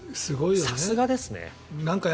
さすがですね。